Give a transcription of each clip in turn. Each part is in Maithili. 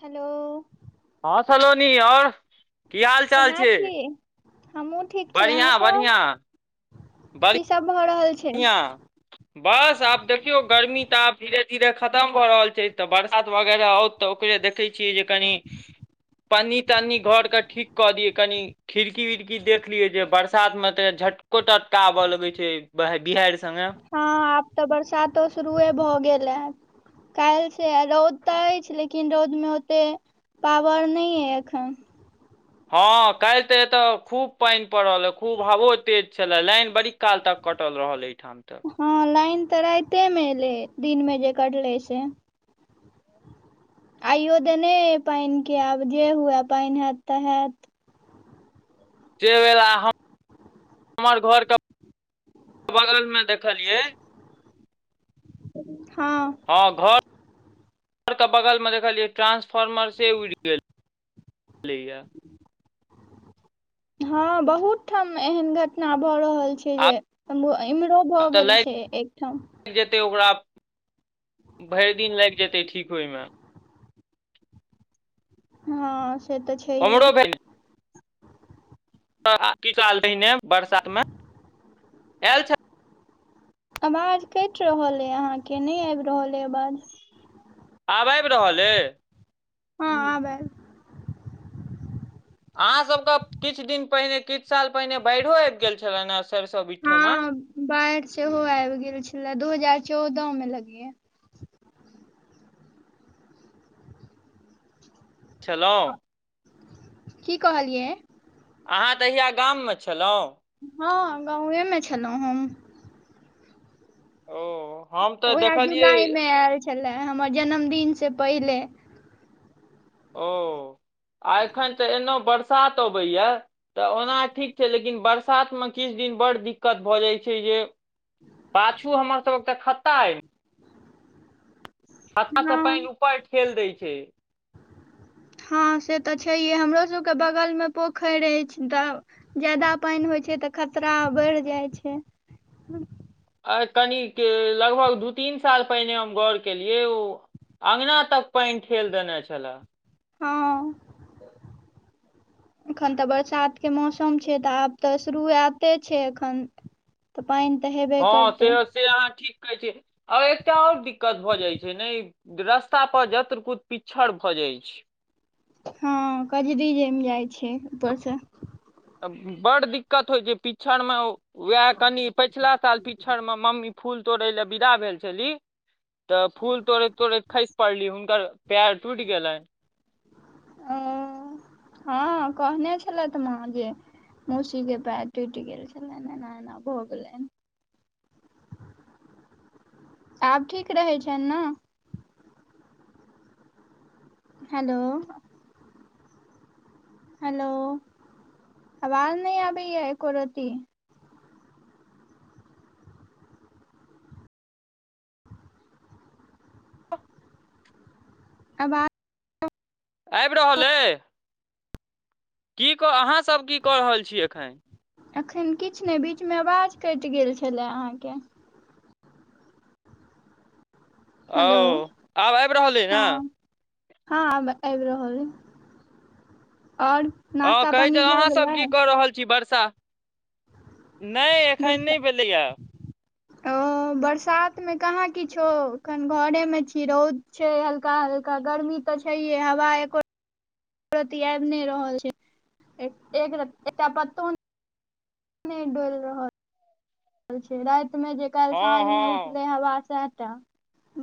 हेलो हँ सलोनी, आओर की हाल चाल छै? हमहुं ठीक छी, अहाँ बढ़िआँ सब, बढ़िआँ की सब भऽ रहल छै? इंआ। [inaudible] बस आब देखियौ गर्मी तऽ आब धीरे धीरे खतम भऽ रहल छै तऽ बरसात वगैरह औत तऽ ओकर देखै छियै जे कनि पन्नी तन्नी घर के ठीक कऽ दियै कनि। खिड़की विड़की देख लियै जे बरसात में त झटको तटका आबय लगे छै। बह बिहाडि संगे हँ आब तऽ बरसातो शुरुए भऽ गेल ए। काल्हि से रौद तऽ अछि लेकिन रौदमे ओते पावर नहि अइ एखन। हँ काल्हि तऽ एतय खूब पानि पड़ल ए खूब हवो तेज छले लाइन बड़ी क काल तक कटल रहल एहिठाम त हँ लाइन तऽ राइते मे एलइ दिनमे जे कटलै से। आइयो देने अइ पानि के आब जे हुए पानि हैत तऽ हैत। [unintelligible] हम हमर घरके बगलमे देखलियै हँ हँ घर र के बगल मे देखलियै ट्रांसफार्मर से उड़ि गेल छेलैयै। हँ बहुत ठाम एहन घटना भऽ रहल छै आब जे इम्हरो भऽ तऽ गेल छै एकठाम लागि जेतै ओकरा भरि दिन लागि जेतै ठीक होइमे। हँ से तऽ ओम्हरो छैेये। भेल [unintelligible] पहिने बरसात मे आयल छल आवाज कटि रहल अइ अहाँके नहि आबि रहल अइ आवाज। आब आएब रहल अय। हां आब आएल। अहाँ सबके किछ दिन पहिने किछ साल पहिने बाएढ़ो आएब गेल छलैन हे सैरसो बिटठोमे। बाएढ़ सेहो आएब गेल छलै दू हजार चौदअ में लगैया। खेलौं। की कहलियै। अहाँ तहिया गाममे छलौ। हां गांवे मे छलौ हम। ओ। हम तऽ ओहाए देखलियै जुलाय मे आएल छलै हमर जन्मदिन से पहिले। ओ आ एखन तऽ एना बरसात अबैया। तऽ ओना ठीक छै लेकिन बरसात मे किछ दिन बड़ दिक्कत भऽ जाय छै जे पाछू हमर सबके खत्ता अय। खत्ता से पेएन हँ ऊपर ठेल दै छै। हां से तऽ छैये हमरो सबके बगलमे पोखेर एछ तब जादा पेएन होय छै तऽ खतरा बैढ जाय छै। आ कनिक लगभग दू-तीन साल पहिने हम गौर केलियै ओ अँगना तक पेएन ठेल देनाय छला। हां। एखन तऽ बरसातके मौसम छै तऽ आब तऽ शुरुआते छै एखन। त पेएन तऽ हेब हां से से अहाँ ठीक कहै छी ए एकटा और दिक्कत भऽ जाय छै ने ई रस्ता पर जत्र कु पिछड़ भऽ जाय छै। हां कजरी जैम जाय छै ऊपर से। अ बड दिक्कत होय छै पिछड़मे उहाए कनि पैछला साल पिछड़ मे मम्मी फूल तोड़े लए विदा भेल छली। तऽ फूल तोड़ैत-तोड़ैत खैस पड़ली हुनकर पैर टूट गेलैन। ओ हां कहनाय छलैथ माँ जे मौसी के पैर टुट गेल छलैन, एना-एना भऽ गेलैन। आब ठीक रहै छैन नऽ। हेलो। हेलो अवाज नै आबैया एको रति। अवा आएब रहल अय की क अहाँ सब की कऽ रहल छी एखैन। अखैन किछ नै बीचमे अवाज कैएट गेल छलाए अहाँके। औ हेलो आब आएब रहले नऽ। हां आब आएब रहल अय और हां नाश्ता कहै छै पानी भऽ अहाँसब की कऽ गेलै रहल छी बरसा नै एखैन नै भेलैया। औ। हो बरसात मे कहाँ किछो अखन घरे मे छी, रौद छै हल्का-हल्का, गर्मी तऽ छैये हवा एको रति आएब नै रहल छै, एक एकरति एकटा पत्तो नै नै डोएल रहल छै, राएत मे जे काएल साँझ हँ मे हँ उठलै हवा साएहटा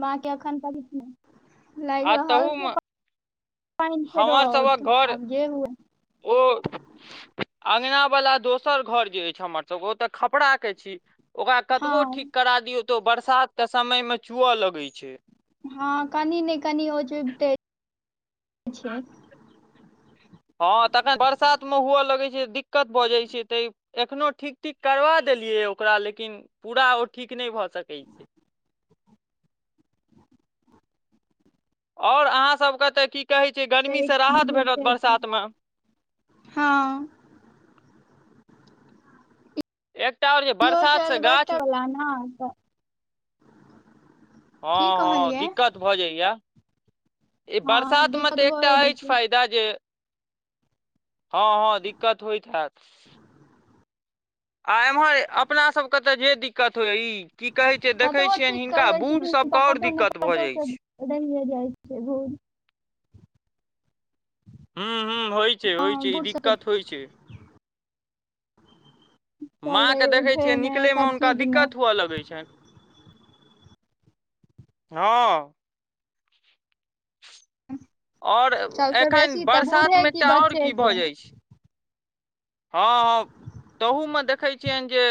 बाकी अखन तक [unintelligible] लाइग आ रहल छै तहूमे पा पाइन फेरो हमर आओत, सभक घर आब जे हुए ओ [unintelligible] अंगना वला दोसर घर जे अछि हमरा सबके ओत खपराके छी। ओकरा कतबो ठीक हँ करा दियौ त ओ बरसातके समय मे चुअ लगै छै। हँ कनि ने कनि ओ चुइबते छै। हँ तखन बरसात मे हुअ लगै छै दिकत भ जाइ छै तैं एखनो ठीक ठीक करबा देलियै ओकरा लेकिन पूरा ओ ठीक नहि भ सकै छै। आओर अहाँसबके त की कहै छै गरमीसँ राहत भेटत गिरते छै। बरसात मे हँ। एकटा और जे ईहो छल बरसातसँ गाछ ऐलबेस्टर वला ने त हँ हँ दिक्कत भ जाइये, ई हँ बरसातमे दिक्कत त भए एकटा जाइ अछि छै फायदा दा जे हँ हँ दिक्कत होइत हयत। आ एमहर अपना सब के ते जे दिक्क कत होई, की कहे छै देखे कतबो छियनि ठीक हिनका करबै बूढ़ सब के और दिकत भ जाइ छै। एकदम नै जाइत छै भुड़ हुं हुं होइ छै हँ होइ छै ई बूढ़ सबके दिकत होइ छै। माँकेँ चले देखै उठे छियै मे निकलयमे सब हुनका चीज मे दिकत हुअ लगै छनि। हँ। आओर सबसे एखन बेसी तऽ बरसात बूढ़े मे की एकटा आओर बच्चे की भ के जाइ छै हँ हँ तहूमे देखैत छियनि जे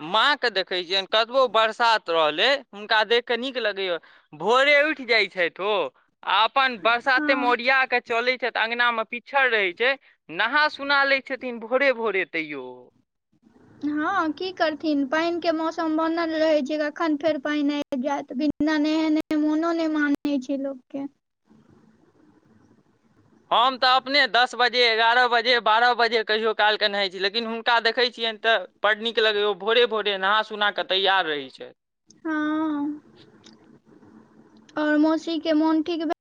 माँ के देखैत छियनि कतबो बरसात रहलै हुनका देख क नीक लगैए। भोरे उठि जाइ छैथ ओ आ अपन बरसाते मे हँ ओरिया के चले छैथ अंगना में पी छर रहै छै नहा सुना लै छथिन भोरे भोरे तैयो ओ। हँ की करथिन पानि के मौसम बनल रहे छै कखन फेर पानि आय बि जायत, बिना नेहेने मोनो नहि मानै छै लोक के। हम त अपने दस बजे, एगारह बजे, बारह बजे कहियो कालके नहाइत छी, लेकिन हुनका देखै छियनि त बड नीक लगैये ओ भोरे भोरे नहा सुना क तैयार रहै छथि। हँ आओर मौसी के मोन ठीक भेलनि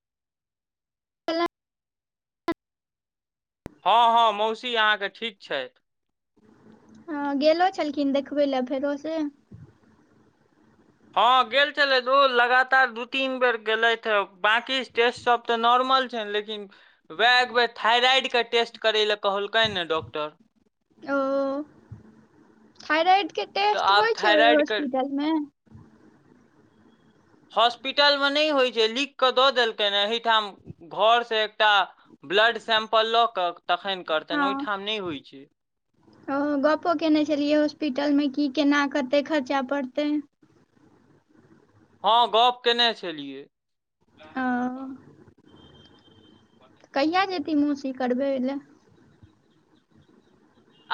हँ हँ मौसी अहाँके ठीक छथि। हँ गेलो छलखिन देखबै लए फेरो से। हँ गेल छलथि ओ लगातार दू तीन बेर गेलथि हें, बांकी ई टेस्ट सब त नॉर्मल छैन, लेकिन वैह एकबेर थाइराइड के टेस्ट करै ले कहलकैन हें डॉक्टर। थइराइड के तऽ टेस्ट आब होइ छै ओहि थायराइड के हॉस्पिटलमे। हॉस्पिटल मे नहि होइ छै लिख क द देलकैन हें एहिठाम घर से एकटा ब्लड सैंपल ल क तखन करतनि ओहिठाम नहि होइ छै। हं ओ गपो केने छलियै हॉस्पिटल मे की केना कते खर्चा पड़तैन? हँ गप केने छलियै। ओ, कहिआ जेथिन मौसी करबै लए?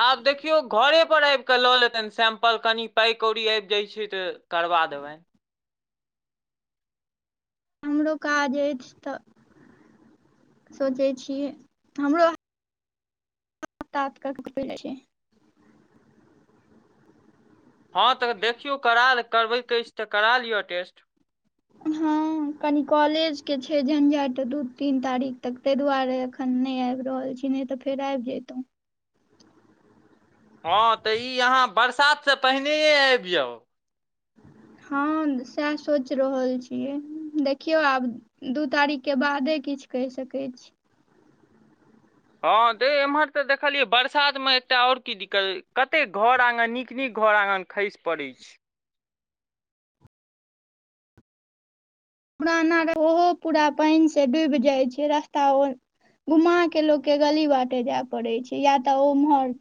आब देखियौ घरे पर आबि क ल लेतनि सेम्पल कनि पाइ कौड़ी आबि जाइत छै त करबा देबनि। हमरो काज अछि त सोचय छियै, हमरो तातक क पहिल छै [unintelligible] हँ त देखियौ कराल करबैके अछि त करा लिअ टेस्ट। हां। कनि कॉलेज के छै झंझट दू-तीन तारीक तक तै दुआरे अखन नै आएब रहल छी नै ते फेर आएब जेतौ। हां तऽ ई अहाँ बरसात से पहिनैये आएब जाउ। हां साएह सोच रहल छियै देखियौ आब। दू तारीक के बादे किछ कैह सकै छी। हां ते एम्हर तऽ देखलियै बरसात मे एकटा और की दिक्कत कते घर आंगन नीक-नीक घर आंगन खैस पड़ै छै। पुराना घर उहो पूरा पेएन से डूब जाय छै रस्ता ओ घुमा के लोक के गली बाटे जाय पड़े छै या तऽ ओ उम्हर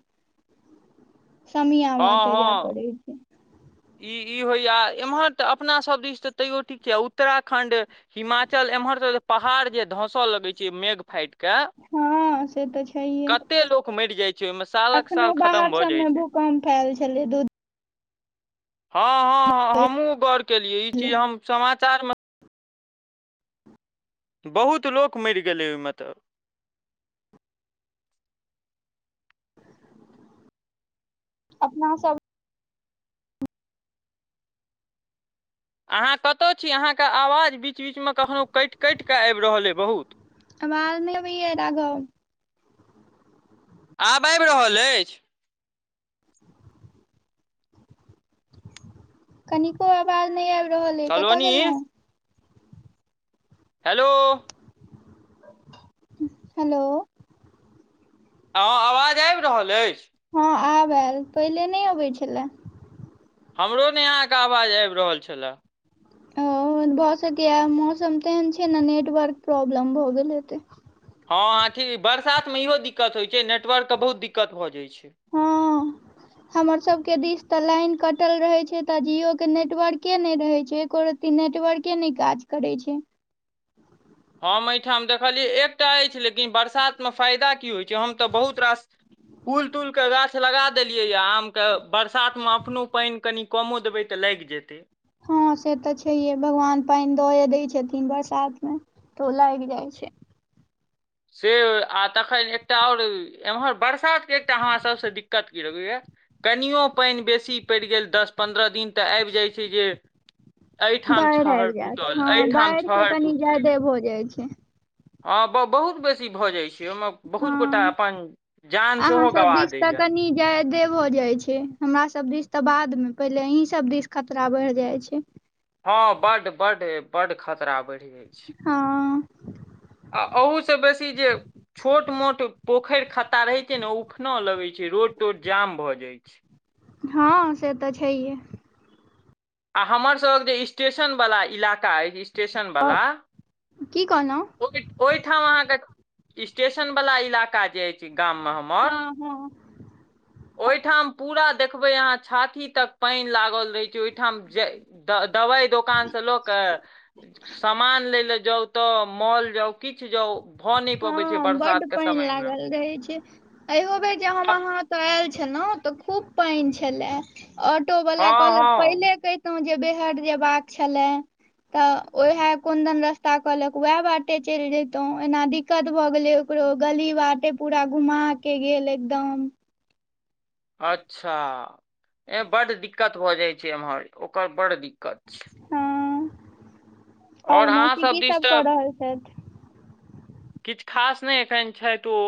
समिया हँ बाटे जाय हँ पड़ै छै। ई ई होयया एम्हर तऽ अपना सब दिस तऽ तैयो ठीक छै आ उत्तराखण्ड हिमाचल एम्हर सब जे पहाड़ जे धसअ लगै छै मेघ फाएट कऽ हँ से तऽ छैहे कते लोक मैर जाय छै ओय मे सालक साल खतम भऽ जाय छै। खाएल छलै दूध हां हां हां हमु गौर केलिये ई चीज हम समाचार मे बहुत लोक मैर गेलै ओय मे तऽ। अपना सब अहाँ कता छी, अहाँके अवाज बीच-बीच मे कखनो कैएट-कैएट के आएब रहल अय बहुत। अवाज नै अबैया राघव। आब आएब रहल एछ। कनिको अवाज नै आएब रहल अय कता सलोनी गेलौ। हेलो। हेलो। हां अवाज आएब रहल एछ। हां आब आएल, पहले नै आबै छलाए। हमरो नै अहाँ के अवाज आएब रहल छला। ओ भ सकैया मौसम तेहेन छै नै नेटवर्क प्रॉब्लम भऽ गेल हेतै। हां अथी बरसातमे इहो दिक्कत होय छै नेटवर्क के बहुत दिक्कत भऽ जाय छै। हां। हमर सब के दिस ते लेन कटल रहे छै तऽ जियो के नेटवर्के नै रहे छै एको र ती नेटवर्के नै काज करै छै। हम एठाम देखलियै एकटा एछ लेकिन बरसातमे फायदा की होय छै हम तऽ बहुत रास फूल-तूल के गाछ लगा देलियैया आम के बरसात मे अपनो पेएन कनि कमो देबै तऽ लाएग जेतै। हां से तऽ छैये भगवान पेएन दए दय छथिन बरसात मे तऽ उ लाएग जाय छै। से आ तखन एकटा और एम्हर बरसातके एकटा हमरा सबसे दिक्कत की लगैया। कनियो पेएन बेसी पैड़ गेल दस पन्द्रअ दिन तऽ आएब जाय छै जे एठाम बाढ़ि आबि छहर जायत टूटल, हँ एठाम बाढ़ि के छहर कनि टूटलै। जादे भऽ जाय छै। हां ब बहुत बेसी भऽ जाय छै, ओयमे बहुत गोटा हँ अपन जान सेहो गवा दैया। यादे भ जाय छै, हमरा सब दिस तऽ बादमे पहले अहीं सब दिस खतरा बढ़ जाय छै। हां बड बड ए बड खतरा बैढ़ [unintelligible] हां। आ अहु से बेसी जे छोट मोट पोखरि खत्ता रहे छै ने, उखनो, लगै छै रोड तोड जाम भ जाइत छै। हँ, से तऽ छैहे, आ, हमरसभक जे स्टेशनवला इलाका अछि, स्टेशनवला, की कहलहुँ ओहिठाम अहाँके, स्टेशन वला इलाका जे अछि, गाम में हम हँ मर हँ ओहिठाम पूरा देखबै अहाँ, छाती तक पानि लागल रहे छै ठाम जे, त दवाइ दोकान से ल के, समान लै ला जाउ त, मॉल जाउ किछु जाउ, भऽ नहि पबै छै हँ, बड बरसात के पानि समय मे लागल रहै छै, अयो बेर जे हम, हँ अहाँ ओत आयल छलहुँं, त खूब पानि छले।, ऑटो वला कहलक, जे हँ पहिले कहितहुँ, जे बेहट जेबाक छले त, ओएह कोनदन रस्ता कहलक, वैह बाटे चलि जइतौं। ओना दिकत भ गेलै ओकरो, गली बाटे पूरा घुमा के गेल एकदम अच्छा, एह बड दिकत भ जाइ छै एमहर, ओकर बड दिकत छै। हँ, आओर और अहाँ मौसी की दिस सब तऽ क रहल छथि। किछु खास नहि एखन छथि ओ,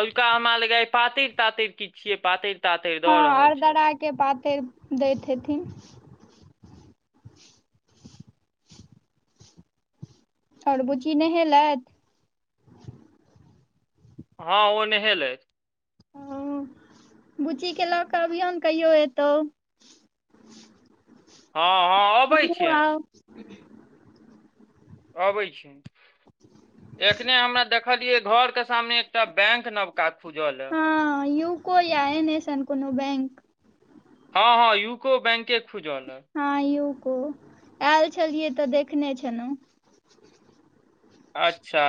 अलका हमरा लगैये पातरि तातरि किछके पातरि तातरि हँ, दऽ रहल छथि अरदरा के पातरि दैत हेथिन। और बुची नहेलथि? हँ ओ नेहेलैथ। ओ, बुचीे के ल क अबियौन कहियो एतहु। हँ हँ अबै अहुं छियनि आउ। अबै छी, एखने हमरा देखलियै घर के सामने एकटा बैंक नबका खुज ले। हँ, यूको या एहने सन कोनो बैंक। हँ हँ यूको बैंके खुज ले। हँ यूको, आयल छलियै त देखने छलहुँ। अच्छा।